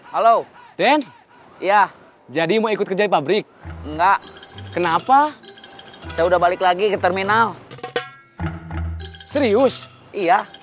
halo den ya jadi mau ikut kerja pabrik enggak kenapa saya udah balik lagi ke terminal serius iya